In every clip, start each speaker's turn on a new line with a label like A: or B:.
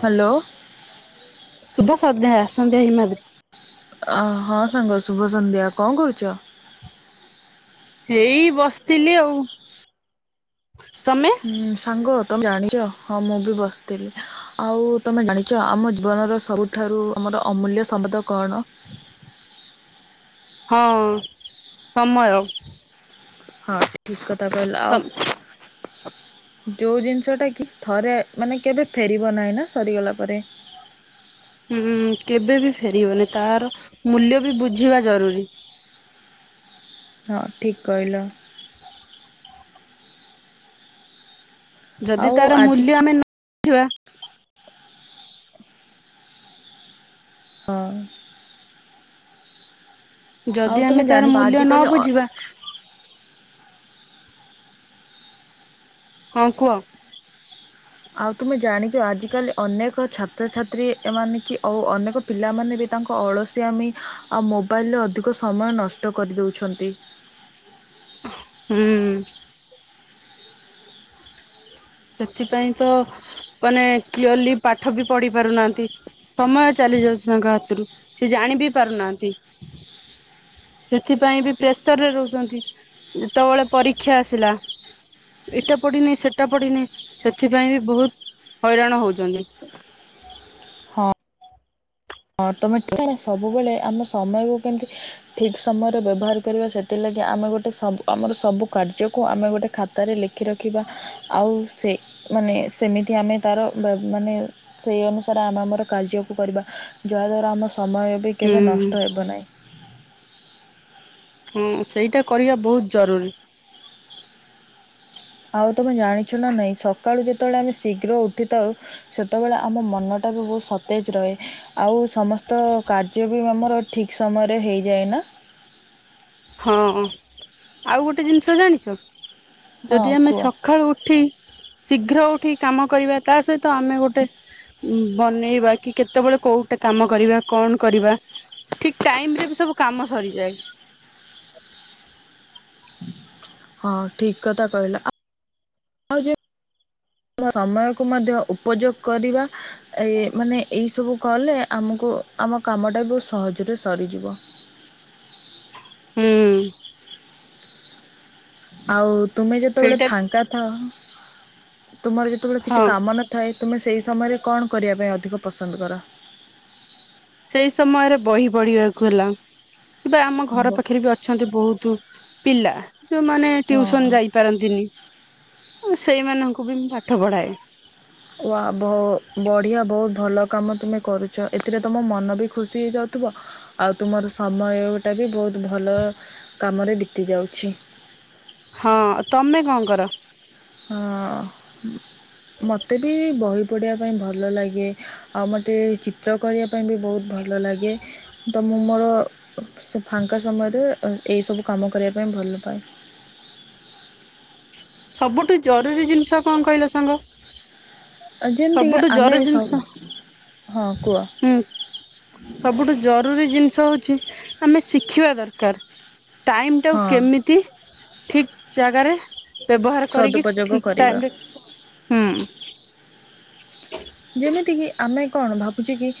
A: Hello
B: ଶୁଭ ସନ୍ଧ୍ୟା ଆସନ୍ତି ହିମାଦ୍ରି
A: ଅ ହଁ ସାଙ୍ଗ ଶୁଭ ସନ୍ଧ୍ୟା କଣ କରୁଚ?
B: ହେଇ ବସିଥିଲି ଆଉ ତମେ?
A: ଉଁ ସାଙ୍ଗ ତମେ ଜାଣିଛ ହଁ ମୁଁ ବି ବସିଥିଲି ଆଉ ତୁମେ ଜାଣିଛ ଆମ ଜୀବନର ସବୁ ଠାରୁ ଆମର ଅମୂଲ୍ୟ ସଂପଦ କଣ?
B: ହଁ ସମୟ।
A: ହଁ ଠିକ୍ କଥା କହିଲ
B: ତ
A: ଆଉ? ଯୋଉ ଜିନିଷ ଟା କି ଥରେ ମାନେ କେବେ ଫେରିବ ନାହିଁ ନା ସରିଗଲା ପରେ।
B: ଉଁ କେବେ ବି ଫେରିବନି ତାର ମୂଲ୍ୟ ବି ବୁଝିବା ଜରୁରୀ।
A: ହଁ ଠିକ୍ କହିଲ।
B: ଯଦି
A: ଆଉ
B: ତାର
A: ଆଜି
B: ମୂଲ୍ୟ ଆମେ ନ ବୁଝିବା।
A: ହଁ। ଆଉ
B: ଯଦି
A: ତୁମେ
B: ଆମେ ତାର
A: ଜାଣିଛ
B: ମୂଲ୍ୟ ନ
A: ଆଜିକାଲି
B: ବୁଝିବା। ହଁ କୁହ।
A: ଆଉ ତୁମେ ଜାଣିଛ ଆଜିକାଲି ଅନେକ ଛାତ୍ରଛାତ୍ରୀ ଏମାନେ କି ଆଉ ଅନେକ ପିଲାମାନେ ବି ତାଙ୍କ ଅଳସିଆମି ଆଉ ମୋବାଇଲରେ ଅଧିକ ସମୟ ନଷ୍ଟ କରିଦଉଛନ୍ତି।
B: ହୁଁ। ସେଥିପାଇଁ ତ ମାନେ କ୍ଲିୟଲି ପାଠ ବି ପଢି ପାରୁନାହାନ୍ତି। ସମୟ ଚାଲି ଯାଉଛି ତାଙ୍କ ହାତରୁ ସେ ଜାଣି ବି ପାରୁନାହାନ୍ତି। ସେଥିପାଇଁ ବି ପ୍ରେସରରେ ରହୁଛନ୍ତି। ଯେତେବେଳେ ପରୀକ୍ଷା ଆସିଲା ଏଇଟା ପଡିିନି ସେଟା ପଡିିନି। ସେଥିପାଇଁ ବି ବହୁତ ହଇରାଣ ହଉଛନ୍ତି।
A: ଅର୍ଥମେଟିକ ମ ସବୁବେଳେ ଆମ ସମୟକୁ କେମିତି ଅ ଠିକ୍ ସମୟରେ ବ୍ୟବହାର କରିବା ସେଥିଲାଗି ଆମେ ଗୋଟେ ସବୁ ଆମର ସବୁ କାର୍ଯ୍ୟକୁ ଆମେ ଗୋଟେ ଖା ତାରେ ଲେଖି ରଖିବା ଆଉ ସେ ମାନେ ସେମିତି ଆମେ ତାର ବ୍ଯ ମାନେ ସେହି ଅନୁସାରେ ଆମେ ଆମର କାର୍ଯ୍ୟକୁ କରିବା ଯାହାଦ୍ୱାରା ଆମ ସମୟ ବି କେବେ ନଷ୍ଟ
B: ହୁଁ
A: ହେବ ନାହିଁ।
B: ହୁଁ ସେଇଟା କରିବା ବହୁତ ଜରୁରୀ।
A: ଆଉ ତୁମେ ଜାଣିଛ ନା ନାହିଁ ସକାଳୁ ଯେତେବେଳେ ଆମେ ଶୀଘ୍ର ଉଠିଥାଉ ସେତେବେଳେ ଆମ ମନଟା ବି ବହୁତ ସତେଜ ରହେ। ଆଉ ସମସ୍ତ କାର୍ଯ୍ୟ ବି ଆମର ଠିକ୍ ସମୟରେ ହେଇଯାଏନା।
B: ହଁ ଆଉ ଗୋଟେ ଜିନିଷ ଜାଣିଛ
A: ହଁ
B: ଯଦି ଆମେ
A: କୁହ।
B: ସକ୍ ସକାଳୁ ଉଠି ଶୀଘ୍ର ଉଠି କାମ କରିବା ତା ସହିତ ଆମେ ଗୋଟେ ଉଁ ବନେଇବା କି କେତେବେଳେ କୋଉଟେ କାମ କରିବା କଣ କରିବା? ଠିକ ଟାଇମ ରେ ବି ସବୁ କାମ ସରିଯାଏ।
A: ହଁ ଠିକ କଥା କହିଲା ଆପ୍ ସମୟକୁ ମଧ୍ୟ ଉପଯୋଗ କରିବା ଏ ମାନେ ଏଇସବୁ କଲେ ଆମକୁ ଆମ କାମଟା ବି ବହୁତ ସହଜରେ ସରିଯିବ।
B: ହୁଁ।
A: ଆଉ ତୁମେ ଯେତେବେଳେ
B: ସେଇଟା
A: ଫାଙ୍କା ଥାଅ ତୁମର ଯେତେବେଳେ
B: ହଁ
A: କିଛି କାମ ନ ଥାଏ ତୁମେ ସେହି ସମୟରେ କଣ କରିବା ପାଇଁ ଅଧିକ ପସନ୍ଦ କର।
B: ସେଇ ସମୟରେ ବହି ପଢିବାକୁ ହେଲା କିବା ଆମ
A: ବ
B: ଘର ପାଖରେ ବି ଅଛନ୍ତି ବହୁତୁ ପିଲା ଯୋଉମାନେ
A: ହଁ
B: ଟ୍ୟୁସନ ଯାଇପାରନ୍ତିନି। ଓ ସେଇମାନଙ୍କୁ ବି ମୁଁ ପାଠ ପଢାଏ।
A: ୱା ବ ବଢ଼ିଆ ବହୁତ ଭଲ କାମ ତୁମେ କରୁଛ ଏଥିରେ ତୁମ ମନ ବି ଖୁସି ହେଇଯାଉଥିବ। ଆଉ ତୁମର ସମୟ ଟା ବି ବହୁତ ଭଲ କାମରେ ବିତି ଯାଉଛି।
B: ହଁ ତମେ କଣ କର?
A: ଆଁ ମୋତେ ବି ବହି ପଢ଼ିବା ପାଇଁ ଭଲ ଲାଗେ। ଆଉ ମୋତେ ଚିତ୍ର କରିବା ପାଇଁ ବି ବହୁତ ଭଲ ଲାଗେ। ତ ମୁଁ ମୋର ସେ ଫାଙ୍କା ସମୟରେ ଅ ଏହିସବୁ କାମ କରିବା ପାଇଁ ଭଲ ପାଏ।
B: ସବୁଠୁ ଜରୁରୀ ଜିନିଷ କଣ କହିଲ ସାଙ୍ଗ।
A: ଯେମିତିକି
B: ସବୁଠୁ ଜରୁରୀ
A: ଆମେ ସ
B: ଜିନିଷ
A: ହଁ କୁହ
B: ହୁଁ। ସବୁଠୁ ଜରୁରୀ ଜିନିଷ ହଉଛି ଆମେ ଶିଖିବା ଦରକାର। ଟାଇମ ଟାକୁ
A: ହଁ
B: କେମିତି ଠିକ ଜାଗାରେ ବ୍ୟବହାର କରିକି
A: ସଦୁପଯୋଗ
B: ଠିକ
A: କରିବା
B: ଟାଇମ ରେ ହୁଁ। [unintelligible]
A: ଯେମିତିକି ଆମେ କଣ ଭାବୁଛେ କି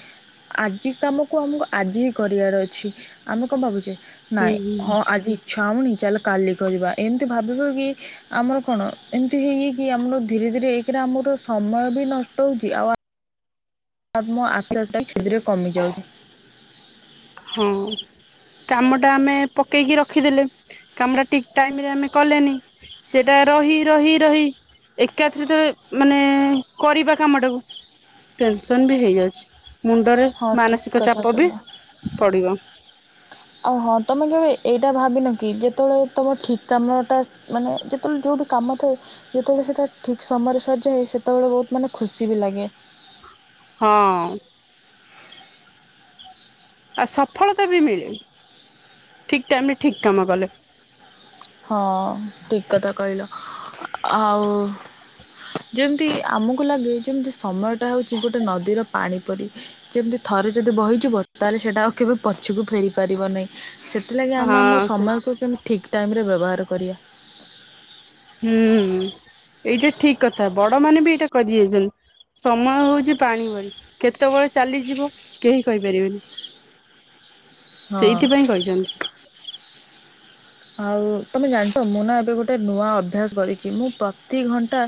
A: ଆଜି କାମକୁ ଆମକୁ ଆଜି ହିଁ କରିବାର ଅଛି ଆମେ କଣ ଭାବୁଛେ
B: ହୁଁ
A: ନାଇଁ
B: ହୁଁ
A: ହଁ ଆଜି ଇଚ୍ଛା ହଉନି ଚାଲ କାଲି କରିବା ଏମିତି ଭାବିବ କି ଆମର କଣ ଏମିତି ହେଇ ହେଇକି ଆମର ଧୀରେ ଧୀରେ ଏକରେ ଆମର ସମୟ ବି ନଷ୍ଟ ହେଉଛି ଆଉ ଆ ଆମ ଆଖ [unintelligible] ଧୀରେ କମିଯାଉଛି।
B: ହଁ। କାମ ଟା ଆମେ ପକେଇକି ରଖିଦେଲେ କାମ ଟା ଠିକ ଟାଇମ ରେ ଆମେ କଲେନି ସେଇଟା ରହି ରହି ରହି ଏକାତ୍ରିତ ମାନେ କରିବା କାମ ଟାକୁ ଟେନସନ ବି ହେଇଯାଉଛି ମୁଣ୍ଡରେ
A: ହଁ ଠିକ୍
B: ମାନସିକ
A: କଥା
B: ଚାପ ବି
A: କହିଲ।
B: ପଢିବ।
A: ଆଉ ହଁ ତମେ କେବେ ଏଇଟା ଭାବିନ କି ଯେତେବେଳେ ତୁମ ଠିକ୍ କାମଟା ମାନେ ଯେତେବେଳେ ଯୋଉଠୀ କାମ ଥାଏ ଯେତେବେଳେ ସେଟା ଠିକ୍ ସମୟରେ ସରିଯାଏ ସେତେବେଳେ ବହୁତ ମାନେ ଖୁସି ବି ଲାଗେ।
B: ହଁ। ଆଉ ସଫଳତା ବି ମିଳେ ଠିକ ଟାଇମ ରେ ଠିକ କାମ କଲେ।
A: ହଁ ଠିକ କଥା କହିଲ ଆଉ ଯେମିତି ଆମକୁ ଲାଗେ ଯେମିତି ସମୟଟା ହଉଛି ଗୋଟେ ନଦୀର ପାଣି ପରି। ଯେମିତି ଥରେ ଯଦି ବହିଯିବ ତା ହେଲେ ସେଇଟା ଆଉ କେବେ ପଛକୁ ଫେରି ପାରିବ ନାହିଁ। ସେଥିଲାଗି ଆମେ
B: ହଁ
A: ଆମ
B: ସେ
A: ସମୟକୁ କେମିତି ଠିକ ଟାଇମରେ ବ୍ୟବହାର କରିବା।
B: ହୁଁ ଏଇଟା ଠିକ କଥା ବଡ ମାନେ ବି ଏଇଟା କହିଁ ଦେଇ ଯାଇଛନ୍ତି। ସମୟ ହଉଛି ପାଣି ଭଳି କେତେବେଳେ ଚାଲିଯିବ କେହି କହିପାରିବେନି।
A: ହଁ।
B: ସେଇଥିପାଇଁ କହିଛନ୍ତି।
A: ଆଉ ତୁମେ ଜାଣିଛ ମୁଁ ନା ଏବେ ଗୋଟେ ନୂଆ ଅଭ୍ୟାସ କରିଛି ମୁଁ ପ୍ରତି ଘଣ୍ଟା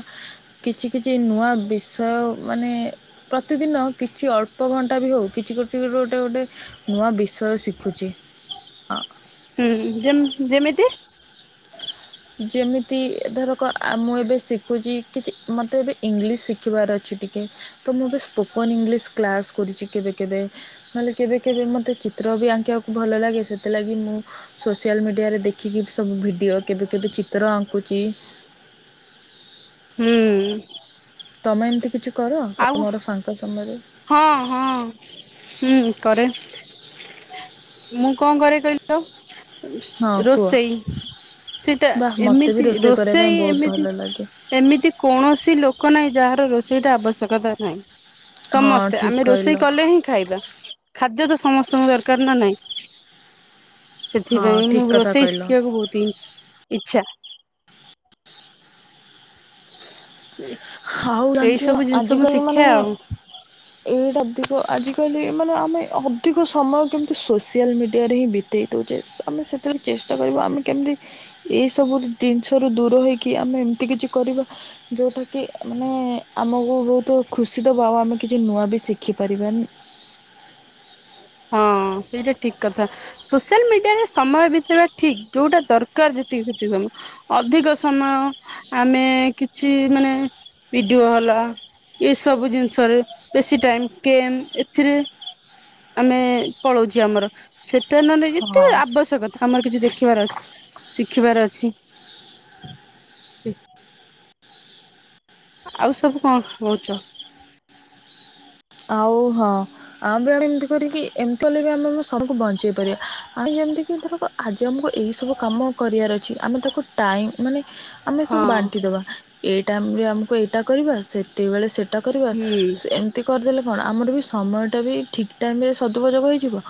A: କିଛି କିଛି ନୂଆ ବିଷୟ ମାନେ ପ୍ରତିଦିନ କିଛି ଅଳ୍ପ ଘଣ୍ଟା ବି ହଉ କିଛି କରଛି ଗୋଟେ ଗୋଟେ ନୂଆ ବିଶୟ ଶିଖୁଛି।
B: ହୁଁ ହୁଁ ଯେମ୍ ଯେମିତି।
A: ଯେମିତି ଧରକ ମୁଁ ଏବେ ଶିଖୁଛି କିଛି ମୋତେ ଏବେ ଇଂଲିଶ ଶିଖିବାର ଅଛି ଟିକେ। ତ ମୁଁ ବି ସ୍ପୋକନ ଇଂଲିଶ କ୍ଲାସ କରୁଛି କେବେ କେବେ। ନହେଲେ କେବେ କେବେ ମୋତେ ଚିତ୍ର ବି ଆଙ୍କିବାକୁ ଭଲ ଲାଗେ ସେଥିଲାଗି ମୁଁ ସୋସିଆଲ ମିଡ଼ିଆରେ ଦେଖିକି ସବୁ ଭିଡ଼ିଓ କେବେ କେବେ ଚିତ୍ର ଆଙ୍କୁଚି।
B: ହୁଁ।
A: ତମେ ଏମିତି କିଛି କର
B: ଆଉ
A: ତମର ଫାଙ୍କା ସମୟରେ।
B: ହଁ ହଁ ହୁଁ କରେ ମୁଁ କଣ କରେ କହିଲ?
A: ହଁ
B: ଲ
A: କୁହ
B: ରୋସେଇ। ସେଇଟା
A: ବାଃ ମୋତେ ବି
B: ଏମିତି
A: କରିବା ପାଇଁ
B: ରୋଷେଇ
A: ବହୁତ ଭଲ
B: ଏମିତି
A: ଲାଗେ
B: ଏମିତି କୌଣସି ଲୋକ ନାହିଁ ଯାହାର ରୋଷେଇଟା ଆବଶ୍ୟକତା ନାହିଁ।
A: ହଁ
B: ସମସ୍ତେ
A: ଠିକ୍
B: ଆମେ
A: କହିଲ
B: ରୋଷେଇ କଲେ ହିଁ ଖାଇବା ଖାଦ୍ୟ ତ ସମସ୍ତଙ୍କୁ ଦରକାର ନା ନାହିଁ।
A: ହଁ
B: ସେଥିପାଇଁ ମୁଁ
A: ଠିକ୍ କଥା
B: ରୋଷେଇ
A: କହିଲ
B: ଶିଖିବାକୁ ବହୁତ ହିଁ ଇଛା।
A: ଆଉ
B: ଏଇ
A: ଜାଣିଚ
B: ସବୁ ଜିନିଷ ମୁଁ
A: ଆଜିକାଲି
B: ଶିଖେ
A: ମାନେ
B: ଆଉ
A: ଏଇଟା ଅଧିକ ଆଜିକାଲି ମାନେ ଆମେ ଅଧିକ ସମୟ କେମିତି ସୋସିଆଲ ମିଡ଼ିଆରେ ହିଁ ବି ଦେଇ ଦଉଛେ ଆମେ ସେତେବେଳେ ଚେଷ୍ଟା କରିବା ଆମେ କେମିତି ଏଇ ସବୁ ଜିନିଷ ରୁ ଦୂର ହେଇକି ଆମେ ଏମିତି କିଛି କରିବା ଯୋଉଟା କି କି ମାନେ ଆମକୁ ବହୁତ ଖୁସି ଦବ ଆଉ ଆମେ କିଛି ନୂଆ ବି ଶିଖି ପାରିବା।
B: ହଁ ସେଇଟା ଠିକ୍ କଥା। ସୋସିଆଲ ମିଡ଼ିଆରେ ସମୟ ବିତେଇବା ଠିକ୍ ଯୋଉଁଟା ଦରକାର ଯେତିକି ସେତିକି ସମୟ। ଅଧିକ ସମୟ ଆମେ କିଛି ମାନେ ଭିଡିଓ ହେଲା। ଏସବୁ ଜିନିଷରେ ବେଶୀ ଟାଇମ୍ କେମ୍ ଏଥିରେ। ଆମେ ପଳଉଚି ଆମର ସେଥିରେ ନ ନେଇକି ତେ
A: ହଁ
B: ଆବଶ୍ୟକ ତମର କିଛି ଦେଖିବାର ଶିଖିବାର ଅଛି। ଆଉ ସବୁ କଣ କରୁଛ?
A: ଆଉ ହଁ। ଆମେ ଆମେ ଏମିତି କରିକି ଏମିତି କଲେ ବି ଆମେ ଆମ ସବୁକୁ ବଞ୍ଚେଇ ପାରିବା ଆମେ ଯେମିତିକି ଧରକ। ଆଜି ଆମକୁ ଏଇ ସବୁ କାମ କରିବାର ଅଛି ଆମେ ତାକୁ ଟାଇମ୍ ମାନେ। ଆମେ ସବୁ
B: ହଁ
A: ବାଣ୍ଟିଦବା ଏଇ ଟାଇମ୍ ରେ ଆମକୁ ଏଇଟା କରିବା ସେ ସେତିକି ବେଳେ ସେଟା କରିବା
B: ହୁଁ
A: ସେମ କରିଦେଲେ କଣ ଆମର ବି ସମୟଟା ବି ଠିକ୍ ଟାଇମ ରେ ସଦୁପ ଯୋଗ ହେଇଯିବ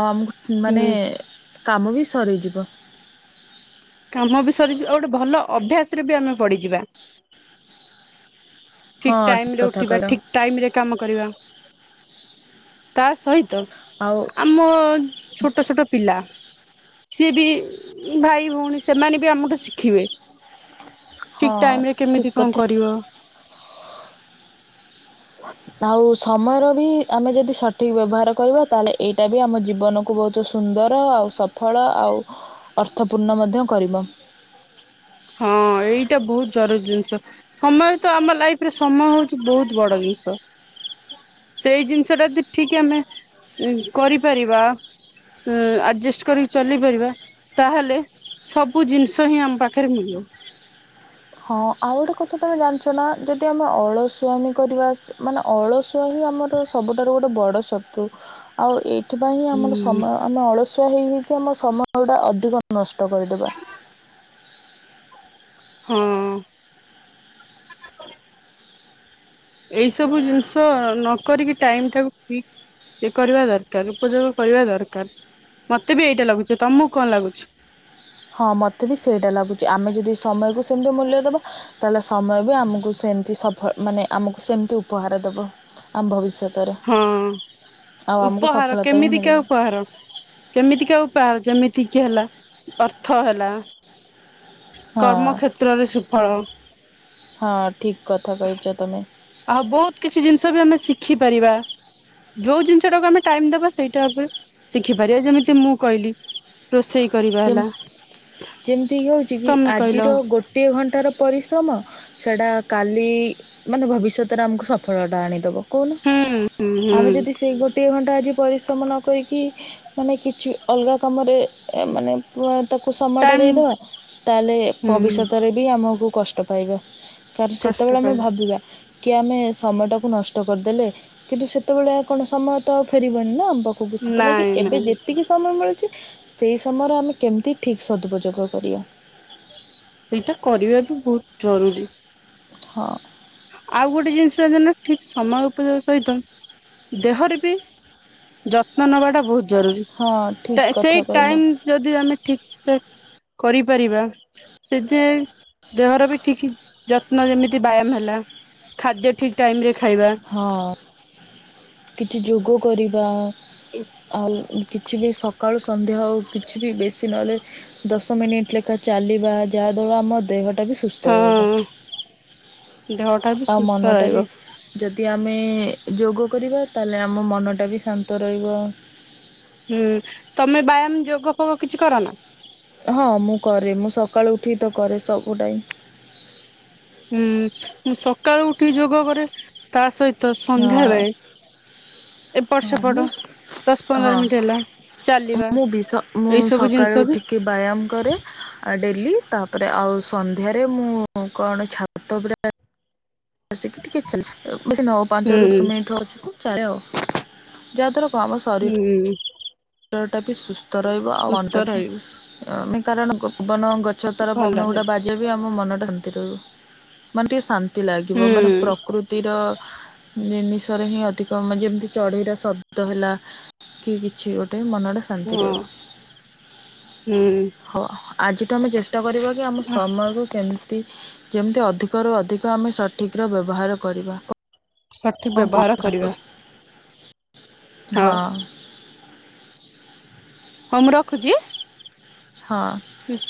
A: ଆଉ ଆମକୁ ଉଁ ମାନେ
B: ହୁଁ
A: କାମ ବି ସରିଯିବ।
B: କାମ ବି ସରିଯିବ ଆଉ ଗୋଟେ ଭଲ ଅଭ୍ୟାସ ରେ ବି ଆମେ ପଡିିଯିବା। ଠିକ୍
A: ହଁ
B: ଟାଇମ୍ ରେ
A: କଥା
B: ଉଠିବା
A: କହିଲ
B: ଠିକ୍ ଟାଇମ୍ ରେ କାମ କରିବା ତା ସହିତ।
A: ଆଉ।
B: ଆମ ଛୋଟ ଛୋଟ ପିଲା। ସିଏ ବି ଉଁ ଭାଇ, ଭଉଣୀ ସେମାନେ ବି ଆମ ଠୁ ଶିଖିବେ। ଠିକ୍
A: ହଁ
B: ଟାଇମ୍ ରେ
A: ଠିକ୍
B: କେମିତି କଣ
A: କଥା
B: କରିବ?
A: [unintelligible] ଆଉ ସମୟର ବି ଆମେ ଯଦି ସଠିକ୍ ବ୍ୟବହାର କରିବା ତା ହେଲେ ଏଇଟା ବି ଆମ ଜୀବନକୁ ବହୁତ ସ ସୁନ୍ଦର ଆଉ ସଫଳ ଆଉ ଅର୍ଥପୂର୍ଣ୍ଣ ମଧ୍ୟ କରିବ।
B: ହଁ ଏଇଟା ବହୁତ ଜରୁରୀ ଜିନିଷ। ସମୟ ତ ଆମ ଲାଇଫ ରେ ସମୟ ହଉଛି ବହୁତ ବଡ ଜିନିଷ। ସେଇ ଜିନିଷ ଟା ଜଦି ଠିକ୍ ଆମେ ଉଁ କରିପାରିବା। ସଁ ଆଡ଼ଜଷ୍ଟ କରିକି ଚାଲି ପାରିବା ତା ହେଲେ ସବୁ ଜିନିଷ ହିଁ ଆମ ପାଖ ଖେରେ ମିଲିଅ।
A: ହଁ ଆଉ ଗୋଟେ କଥା ତମେ ଜାଣିଛ ନା ଯଦି ଆମେ ଅଳଶୁଆମୀ କରିବା ସ ମାନେ ଅଳସୁଆ ହିଁ ଆମର ସବୁଠାରୁ ଗୋଟେ ବଡ଼ ଶତ୍ରୁ ଆଉ ଏ ଏଥିପାଇଁ ହିଁ ଆମର
B: ହୁଁ
A: ସମୟ ଆମେ ଅଳସୁଆ ହେଇ ହେଇକି ଆମ ସମୟ ଗୁଡ଼ା ଅଧିକ ନଷ୍ଟ କରିଦେବା।
B: ହଁ। ଏଇ ସବୁ ଜିନିଷ ନ କରିକି ଟାଇମ ଟାକୁ ଠିକ୍। ଇ କରିବା ଦରକାର ଉପଯୋଗ କରିବା ଦରକାର ମତେ ବି ଏଇଟା ଲାଗୁଛି। ତମକୁ କଣ ଲାଗୁଛି?
A: ହଁ ମୋତେ ବି ସେଇଟା ଲାଗୁଛି ଆମେ ଯଦି ସମୟକୁ ସେମିତି ମୂଲ୍ୟ ଦେବା ତାହେଲେ ସମୟ ବି ଆମକୁ ସେମିତି ସ ଫ ମାନେ ଆମକୁ ସେମିତି ଉପହାର ଦେବ। ଆମ୍ ଭବିଷ୍ୟତ ରେ।
B: ହୁଁ ଉପହାର
A: ସଫଳତା ବି
B: କେମିତିକା
A: ମିଳିବ
B: ଉପହାର? କେମିତିକା ଉପହାର ଯେମିତି କି ହେଲା ଅର୍ଥ ହେଲା?
A: ହଁ
B: କର୍ମ କ୍ଷେତ୍ରରେ ସୁଫଳ।
A: ହଁ ଠିକ୍ କଥା କହିଛ ତମେ।
B: ଆଉ ବହୁତ କିଛି ଜିନିଷ ବି ଆମେ ଶିଖିପାରିବା। ଯୋଉ ଜିନିଷ ଟାକୁ ଆମେ ଟାଇମ ଦବା ସେଇଟା ଉପରେ ଶିଖିପାରିବା ଯେମିତି ମୁଁ କହିଲି। ରୋଷେଇ କରିବା
A: ଯେମ୍
B: ହେଲା
A: ଯେମିତିକି ହେଉଛି କି
B: ତମେ
A: ଆଜିର
B: କହିଲ।
A: ଗୋଟିଏ ଘଣ୍ଟାର ପରିଶ୍ରମ। ସେଟା କାଲି ମାନେ ଭବିଷ୍ୟତରେ ଆମକୁ ସଫଳତା ଆଣିଦବ କହୁନ।
B: ହୁଁ ହୁଁ
A: ଆମେ
B: ହୁଁ
A: ଯଦି ସେଇ ଗୋଟିଏ ଘଣ୍ଟା ଆଜି ପରିଶ୍ରମ ନ କରିକି ମାନେ କିଛି ଅଲଗା କାମରେ। ଏମାନେ ପୁଅ ତାକୁ ସମୟଟା
B: ଟାଇମ
A: ଦେଇଦବା ତାହେଲେ
B: ହୁଁ
A: ଭବିଷ୍ୟତରେ ବି ଆମକୁ କଷ୍ଟ ପାଇବ କାର
B: କଷ୍ଟ
A: ସେତେବେଳେ ଆମେ
B: ପାଇବ
A: ଭାବିବା। କି ଆମେ ସମୟଟାକୁ ନଷ୍ଟ କରିଦେଲେ କିନ୍ତୁ ସେତେବେଳେ ଆଉ କଣ ସମୟ ତ ଆଉ ଫେରିବନି ନା ବ ଓ ବୁଝିଥିଲା କି
B: ନାଇଁ
A: ଏବେ
B: ନାଇଁ
A: ଯେତିକି। ସମୟ ମିଳୁଛି ସେଇ ସମୟର ଆମେ କେମିତି ଠିକ୍ ସଦୁପଯୋଗ କରିଆ।
B: ସେଇଟା କରିବା ବି ବହୁତ ଜରୁରୀ।
A: ହଁ।
B: ଆଉ ଗୋଟେ ଜିନିଷ ଟା ଯଉ ନୁହ ଠିକ୍ ସମୟ ଉପଯୋଗ ସହିତ ଦେହରେ ବି ଯତ୍ନ ନ ବାଟା ବହୁତ ଜରୁରୀ
A: ହଁ ଠିକ୍
B: ଟା
A: କଥା
B: ସେଇ
A: କହିଲ
B: ଟାଇମ ଯଦି ଆମେ ଠିକ ଠାକ୍ କରିପାରିବା। ସେଥି ଦେହର ବି ଠିକ ଯତ୍ନ ଯେମିତି ବ୍ୟାୟାମ ହେଲା। ଖାଦ୍ୟ ଠିକ ଟାଇମ ରେ ଖାଇବା।
A: ହଁ କିଛି ଯୋଗ କରିବା। ଆଉ କିଛି ବି ସକାଳୁ ସନ୍ଧ୍ୟା ଆଉ କିଛି ବି ବେଶୀ ନହେଲେ ଦଶ ମିନିଟ୍ ଲେଖା ଚାଲିବା ଯାହା ଦ୍ୱାରା ଆମ ଦେହଟା ବି ସୁସ୍ଥ ରହିବ।
B: ହଁ ଦେହଟା ବି
A: ଆଉ
B: ସୁସ୍ଥ
A: ମନ ଟା ବି।
B: ରହିବ
A: ଯଦି ଆମେ ଯୋଗ କରିବା ତାହେଲେ ଆମ ମନଟା ବି ଶାନ୍ତ ରହିବ।
B: ହୁଁ ତମେ ବ୍ୟାୟାମ ଯୋଗ ଫୋଗ କିଛି କର ନା?
A: ହଁ ମୁଁ କରେ ମୁଁ ସକାଳୁ ଉଠିକି ତ କରେ ସବୁ ଟାଇମ୍
B: ହୁଁଁ ସକାଳୁ ଉଠି ଯୋଗ କରେ ତା ସହିତ
A: ହଁ।
B: ସନ୍ଧ୍ୟାବେଳେ। ଏପଟ
A: ହଁ ମୁଁ
B: ସେପଟ। ଦଶ ପନ୍ଦର
A: ହଁ
B: ମିନିଟ୍ ହେଲା ଚାଲିବା
A: ମୁଁ ବି ସ ମୁଁ
B: ଏଇ ସବୁ
A: ସକାଳୁ
B: ଜିନିଷ ବି।
A: ଉଠିକି ବ୍ୟାୟାମ କରେ। ଡେଲି ତାପରେ ଆଉ ସନ୍ଧ୍ୟାରେ ମୁଁ କଣ ଛାତ ଉ ବସିକି ଟିକେ ଚାଲ ବେଶୀ ନ ହଉ
B: ହୁଁ
A: ପାଞ୍ଚରୁ ଦଶ ମିନିଟ ହଉଚି କୁ ଚାଲେ ଆଉ। ଯାହା ଦ୍ୱାରା କଣ ହବ୍ ଶରୀର
B: ହୁଁ।
A: ଶରୀରଟା ବି ସୁସ୍ଥ ରହିବ ଆଉ
B: ସୁସ୍ଥ
A: ଅଣ୍ଟା ବି
B: ରହିବି
A: ଉଁ ମାନେ କାରଣ ପବନ ଗ ଛତ ର
B: ଭଲ
A: ପବନ ଗୁଡ଼ା
B: ରହିବି
A: ବାଜିବା ବି ଆମ ମନଟା ଷାନ୍ତି ରହୁବ ମାନେ ଟିକେ ଶା ତି ଲାଗିବ ମାନେ
B: ହୁଁ
A: ପ୍ରକୃତିର। ଜିନିଷରେ ହିଁ ଅଧିକ ମ ଯେମିତି ଚଢ଼େଇର ଶବ୍ଦ ହେଲା କି କିଛି ଗୋଟେ ମନଟା ଶାନ୍ତି
B: ହଁ
A: ରହିବ
B: ହୁଁ
A: ହଉ ଆଜିଠୁ ଆମେ ଚେଷ୍ଟା କରିବା କି ଆମ ସମୟକୁ କେମିତି ଯେମିତି ଅଧିକରୁ ଅଧିକ ଆମେ ସଠିକର ବ୍ୟବହାର କରିବା।
B: ସଠିକ
A: କଣ
B: ବ୍ୟବହାର
A: କହୁଛ?
B: କରିବା।
A: ହଁ।
B: ହଉ ହଉ ମୁଁ ରଖୁଛି।
A: ହଁ।
B: ଉଁ